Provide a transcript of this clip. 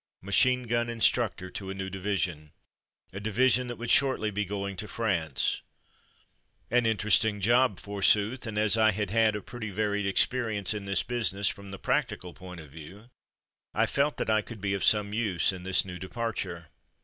Machine gun in structor to a new division; a division that would shortly be going to France. An inter Ordered to Salisbury Plain 37 esting job, forsooth, and as I had had a pretty varied experience in this business, from the practical point of view, I felt that I could be of some use in this new departure.